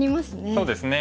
そうですね。